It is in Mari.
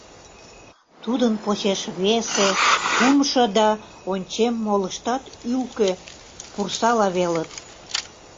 Тудын почеш весе, кумшо да, ончем, молыштат ӱлкӧ пурсала велыт.